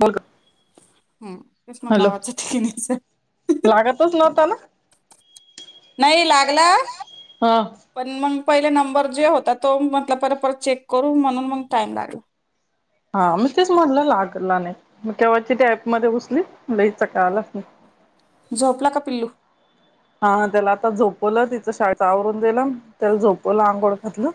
मग हम. हॅलो! लागतचं नव्हता ना. नाही लागला, हा पण मग पहिलं नंबर जे होता, तो म्हंटल परत परत चेक करू म्हणून मग टाईम लागला. हा मी तेच म्हटलं, लागला नाही म केव्हा तिथे ऍप मध्ये घुसली, म्हणलं हिचा काय आलाच नाही. झोपला का पिल्लू? हा त्याला आता झोपवलं तिचं शाळेत आवरून देल त्याला झोपवं त्योला आंंगोळ घातलं.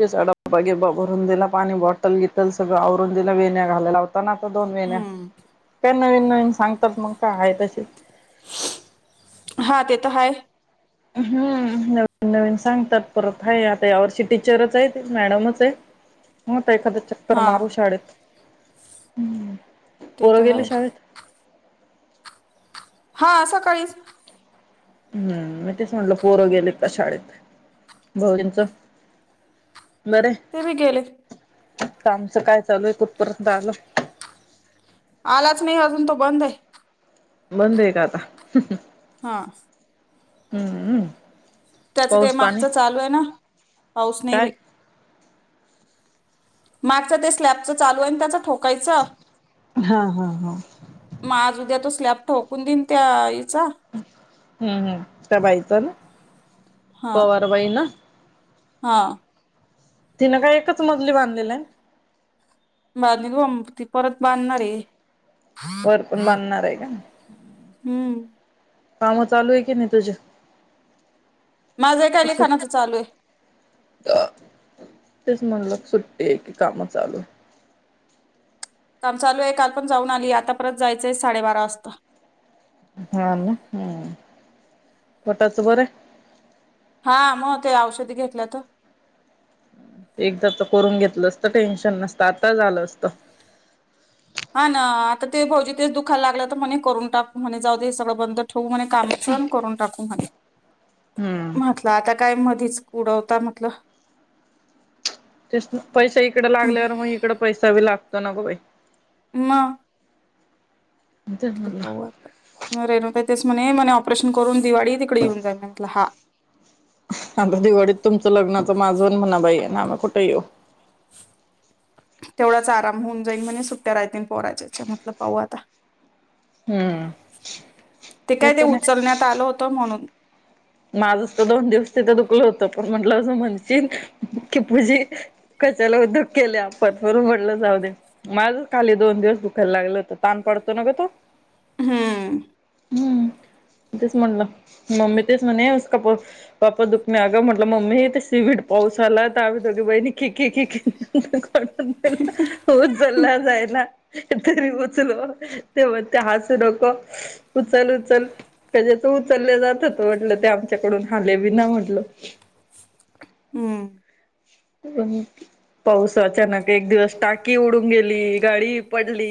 तेचा डब्बा बिब्बा भरुन दिला, पाणी बॉटल बिटल सगळं आवरुन दिलं वेन्या घालायला पण आता दोन महिने हम्म तेन नवीन नवीन सांगतात मग काय आहे तशी हा ते तर हाय हम्म नवीन नवीन सांगतात परत हाय आता यावर्षी टीचरच आहे मॅडमच आहे मग् एखाद्या चक्कर हा मारू शाळेत. हम्म ते पोरं तर गेले हाय शाळेत हा सकाळीच हम्म मी तेच म्हंटलं पोरं गेलेत का शाळेत भाऊजिंच तरी गेलेत कामचं काय चालू आहे कुठपर्यंत आलं आलाचं नाही अजून तो बंद आहे बंद आहे का आता हा हम्मम त्याच ते मागच चालू आहे ना पाऊस नाही काय बाई. मागचं ते स्लॅपच चालू आहे आणि त्याचा ठोक कालच, हा हा हा म आज उद्या तो स्लॅप ठोकून दिन त्या हम्म हम् त्या बाईच ना हा पवारवाई ना हा तिनं काय एकच मजली बांधलेला आहे ब त परत बांधणार आहे वर पण बांधणार आहे का हम्म काम चालू आहे की नाही तुझ्या माझं काय लिखाणाच चालू आहे तेच म्हणल सुट्टी आहे की काम चालू काम चालू आहे काल पण जाऊन आली आता परत जायचंय साडेबारा वाजता हा ना हम्म पोटाच बरं हा मग ते औषधी घेतल्या तर एकदा तर करून घेतलं असत टेन्शन नसत आता झालं असत हा ना आता ते भाोजी तेच दुखायला लागलं तर म्हणे करून टाकू म्हणे जाऊ दे हे सगळं बंद ठेवू म्हणे काम पण करून टाकू म्हणे हम्म म्हातलं आता काय मधीच उडवता म्हटल ते पैसा इकडे लागल्यावर मग इकड पैसाी लागतो तो नको बा म तेच म्हणलं पा रे का तेच म्ह ऑपरेशन करून दिवाळी तिकडे येऊन जा म्ह म्हटलं हा. आता दिवाळीत तुमचं लग्नाच माझ आणि म्हणा बाई आहे ना आ् कुठे येऊ? तेवढाच आराम होऊन जाईन म्हणेज सुट्ट्या राहतील पोराच्याच्या म्हटलं पाहू आता. हम्म ते काय ते उचलण्यात आलं होतं म्हणून माझ तर दोन दिवस तिथे दुखल होत पण म्हटलं असं म्हण की पूजी कच्याला उद्यक केले आपण म्हणून म्हटलं जाऊ दे माझ खाली दोन दिवस दुखायला लागलं होत ताण पडतो न ग तो. हम्म. हम्म तेच म्हणलं मम्मी स म्हका पाप्पा दुःख म आ म्हटलं मम्मी ते सिबीड पाऊस आला तर आमही दोघी बहीणी खी क ख. ण हो चलला जायला. तरी उचल तेव ते हसू डोक उचल उचल त्याच्याच उचलले जात. म्हटलं ते आमच्याकडून हले बी ना म्हटल. हम्म. पाऊस अचानक एक दिवस टाकी उडून गेली गाडी पडली.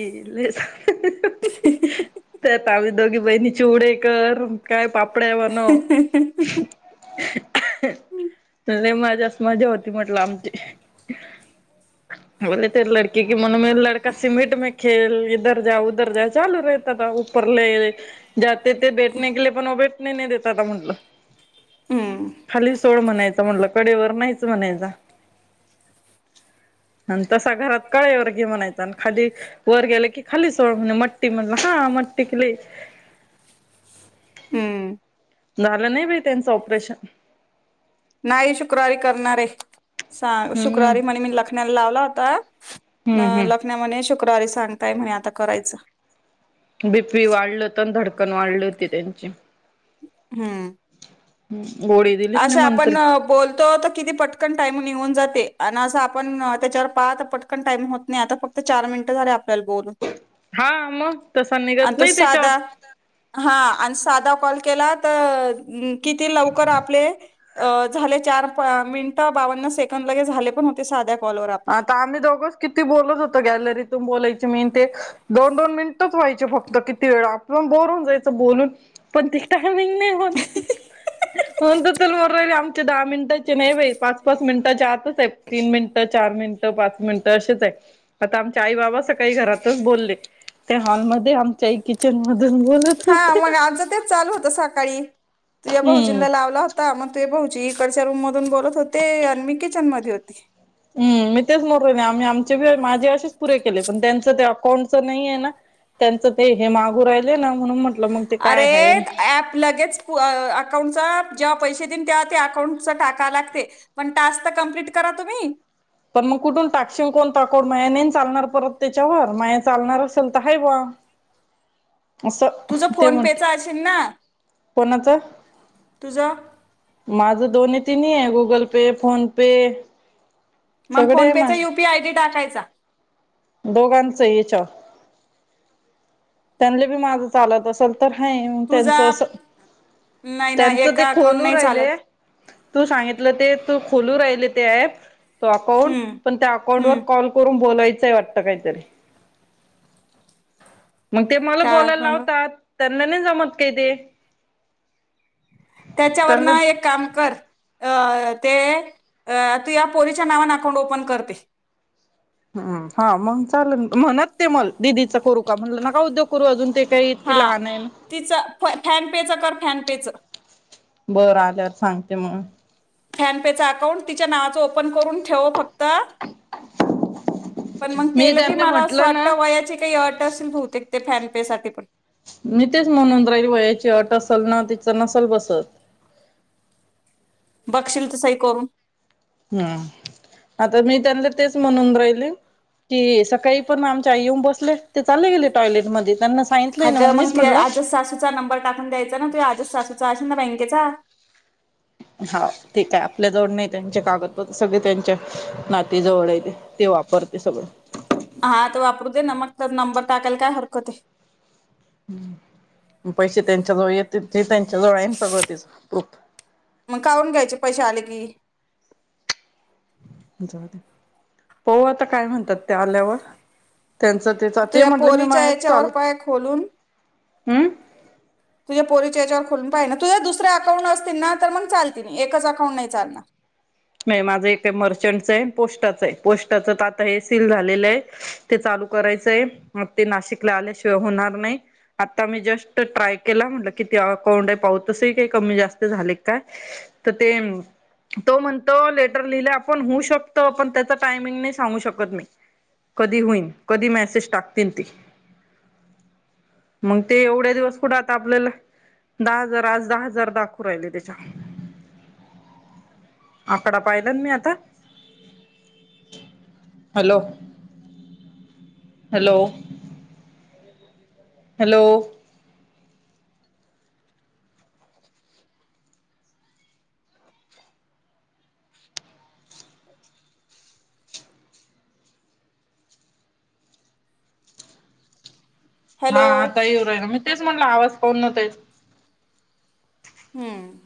ह. ते आ आम्ही दोघी बहिणी चिवडे कर काय पा कपडे बनव. मज्याच मजा होती. म्हटलं आमची बले ते लडकी कि म्हणून म लडका सिमेट मे खेल इधर जा उधर जा चालू राहत आता उपरले ज ते भेटणे गेले पण भेटणे नाही देत आता म्हटलं हम्म खाली सोड म्हणायच म्हंटलं कडेवर नाहीयच. म्हणायचा आणि तसा घरात कळे वर घे म्हणायचा आणि खाली वर गेलं की खाली सोड म्हण मट्टी म्हणलं हा मट्टी खली. हम्म. झालं नाही बै त्यांचं ऑपरेशन. नाही शुक्रवारी करणारे. सांग हम्म शुक्रवारी म्हणे मी लखनाला लावला होता. हम्म अ हम्म लखन्या मने शू शुक्रवारी सांगताय म्हणे आता करायचं. बीपी वाढलं होतं आणि धडकन वाढली होती त्यांची. हम्म. हम्म. असं आपण बोलतो तर किती पटकन टाईम निघुन जाते. आणि असं आपण त्याच्यावर पाहात पटकन टाईम होत नाही आता फक्त चार मिनिटं झाल्यात. हा मग तसा आणि निघत तो नाही साधा त्याच्यावर हा आणि साधा कॉल केला त किती लवकर आप अ झाले चार मिनट बावन्न सेकंद, लगे झाले पण होते साध्या कॉलवर आपले आता आम्ही दोघोच किती बोलत होतो गॅलरीतून बोलायची मी न ते. दोन दोन मिनिटच व्हायचे फक्त किती वेळ आपलंण बोर हुन जायचं बोलून पण तिथं [unintelligible] दहा मिनटचे नई बाई पाच-पाच मिनटंचे आतच हाय तीन मिनट. चार मिनिट पाच मिनिटं अशेच आहे, आता आमच्या आई बाबा सकाळी घरातच बोलले, त्या हॉलमध्ये आमच्या आई किचन म हा मग आमच तेच चालू होतं सकाळी. तुझ्या भाऊजी हम्म ना लावला होता मग तू भाऊजी इकडच्या रूम बोलत होते, आणि मी किचन मध्ये हो [inaudible] मी तेच म्हणून राहिली आम्ही आमचे माझे असेच पुरे केले, पण त्यांच ते अकाउंटच नाही आहे ना त्यांच ते हे मागू राहिले ना म्हणून मग ते काय अरे आहे ॲप लगेच अकाउंटचा जेव्हा पैसे देन तेव्हा अकाउंट टाका लागते, पण टास्क तर कमप्लीट करा तुम्ही. पण मग कुठून टाक्षिंग कोणता कोड नाही आणि चालणार परत त्याच्यावर माया चालणार असेल तर हाय बुवा. असं तुझं ते फोन म्हटलं. पेचा असेल ना कोणाच? तुझं माझं दोन्ही तिन्ही आहे, गुगल पे, फोन पे मग सगळे फोन आहे पे चा माझ यू पी आय डी टाकायचा. दोघांचं येच्यावर. त्यांले बी माझं चालत असेल तर हा तुझा त्यांचं अस नाही ना त्यांच ते एका अकाउंट खोलू नाही राहिले चालत तू सांगितलं ते तू खुोलू राहिले ते ऍप तो अकाउंट हम्म पण त्या अकाउंट वर हम्म कॉल करून बोलायच च वाटत काहीतरी मग ते मला त्या बोलायला अकाउंट लावतात त्यांना नाही जमत काय ते त्याच्यावर त्यांना ना एक काम कर अ ते तू या पोरीच्या नावाने अकाउंट ओपन करते हम् हा मग चाल म्हणत ते म दिदीच करू का म्हणलं न का उद्योग करू अजून ते काही इतकी हा लहान आहे ना तिचं फ फॅनपेच कर फॅनपेचं बरं आल्यावर सांगते मग फॅन पेचचा अकाउंट तिच्या नावाचं ओपन करून ठेव फक्त पण मग मी तेल बी त्यांना मला अस म्हटलं ना वा वयाचे काही अट असेल बतेक ते फॅन सा पण मी तेच म्हणून राहील वयाची अट असल ना तिच नसाल बसत बघशील तर सही करून हम आता मी त्यांना तेच म्हणून राहिले की सकाळी पण आमच्या आई येऊन बसले ते चाले गेले टॉयलेट मध्ये त्यांना सांगितलंय ह ना तर मग मीच त म्हटलं आजस सासूचा नंबर टाकून द्यायचा ना त आज सासूचा असे ना केचा हा तेठी काय आपल्या जवळ नाही त्यांचे कागदपत्र सगळे त्यांच्या नातीजवळ आहे ते ते वापरते सगळं हा तर वापरू दे ना मग तर नंबर टाकायला काय हरकत आहे पैसे त्यांच्या जवळ येत ते त्यांच्याजवळ आहे सगळं तिचं खूप मग काढून घ्यायचे पैसे आले की पाहु आता काय म्हणतात ते आल्यावर. त्यांचं ते तू ते या म्हटलं मी पोरीच्या याच्यावर पाय खोलून. हम. तुझ्या पोरीच्या याच्यावर खोलून पाहिना. तुझ्या दुसर्या अकाउंट असतील ना. तर मग चालतीन एकच अकाउंट नाही चालणार. नय माझं इथे मर्चंटच आहे पोस्टाच आहे. पोस्टाच तर आता हे सील झालेलं आहे. ते चालू करायचंय मग ते नाशिकला आल्याशिवाय होणार नाही आता मी जस्ट ट्राय केला म्हटलं किती अकाऊंड पाहुं तस हि काही कमी जास्त झालय काय तर ते तो म्हण तो लेटर लिहिल आपण होऊ शकत पण त्याच टायमिंग नाही सांगू शकत मी कधी होईन कधी मेसेज टाकतीलते मग ते एवढ्या दिवस पुढे आता आपल्याला दहा हजार आज दहा हजार दाखव राहिले त्याच्यात. आकडा पाहिला मी आता. Hello, hello. हॅलो. हा हॅलो हा तही हो [unintelligible] तेच म्हणलं आवाज पाऊन नव्हत. हम्म.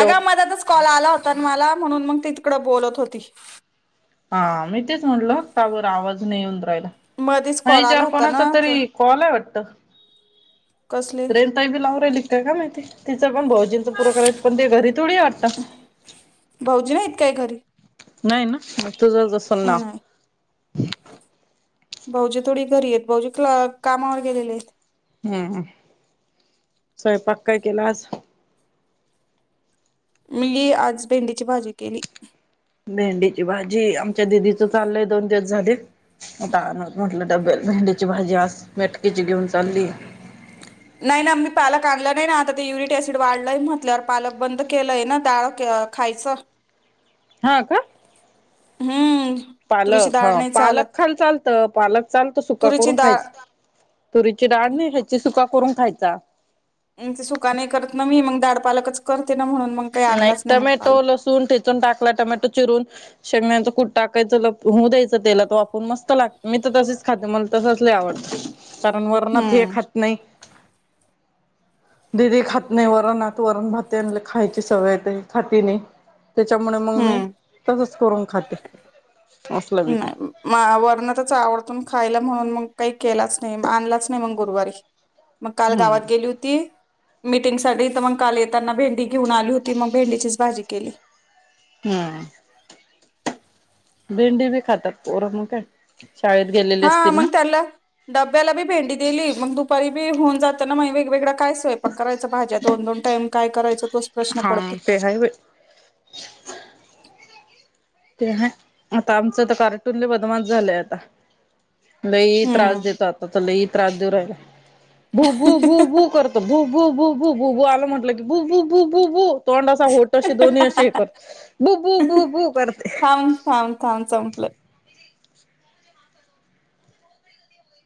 अग मध्येतच कॉल आला. आला होताना मला म्हणून मग ती तिकड बोलत होती. हा मी तेच म्हणल का बरं आवाज नाही येऊन राहिल. मधीच कॉल नाही ज्या आला होता कोणाचं ना तर तरी कॉल हाय वाट त. कसले रेणूताई बी लाऊन राहिली. ते काय माहिती. तिचं म भाऊजींच पुर करायच पण ते घरी थोडी हाय आता. का घरी. नाही ना. तुझं जसं नाव नाही भाऊजी थोडी घरी आहेत, भाऊजी क कामावर गेलेले आहे. हम हम, स्वयंपाक काय केलास? मिल्ली आज भेंडीची भाजी केली. भेंडीची भाजी आमच्या दिदीच चाललंय दोन दिवस झाली आता म्हटलं डब्यात भेंडीची भाजी आज मेटकीची घेऊन चालली. नाही ना मी पालक आणल नाही ना आता ते युरट ऍसिड वाढलंय म्हटल्यावर पालक बंद केलंय ना डाळ खायचं. हा का? हम्म. तुरीची पालक हा डाळ नाही पालक चालत खाल चालतं. पालक. चालत सुका तुरीची करून डाळ खायच, तुरीची डाळ नाही खायची सुका करून खायचा. ह्यांचं सुका नाही करत ना मी म दाड पालकच करते. ना म्हणून मग काही नाही. आणलाच मग टमॅटो, पालक लसूण ठिचून टाकला टमॅटो चिरून. शेंगदाण्याचं कूट टाकायचं ल होऊ द्यायचं तेलात वाफवून मस्त लाग मी तर तसीच खाते मला तसंच लई आव कारण वरणात हे हम्म खात नाही. दिदी खात नाही, वरणात वरण भात खाय सवयेत खाती नाही. त्याच्यामुळे मग मी हम्म तसच करून खाते. असलं बी तर नाही. मा वरणातच आवडतन खायला. म्हणून मग काही केलाच नाही, आणलाच नाही मग गुरुवारी. मग काल हम्म गावात गेली होती. मीटिंगसाठी तर मग काल येताना भेंडी घेऊन आली होती, मग भेंडीचीच भाजी केली. हम्म. भिंडी बी खातात पोर म काय. शाळेत गेलेले हा असतील ना मग त्याला डब्याला बी भेंडी दिली मग दु परीबी होऊन जाता ना मग वेग वेगळ काय स्वयपाक करायच भाज्या दोन दोन टाईम काय करायचं तोच प्रश्न हा. पडते ते हाय वय. ते ह आता आमचं तर कार्टून बदमास झालाय आता. लई त्रास हम्म देतो आता तर नाही त्रास देऊ राहिला भू भू भू भू कर भु बु भु भु बु बु आला म्हटलं की बु बु बु बु बु तोंड [unintelligible] दो बू बू बू बू कर थांब, थांब, थांब संपलं.